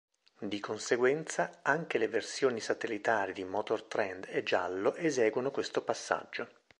Di conseguenza, anche le versioni satellitari di Motor Trend e Giallo eseguono questo passaggio.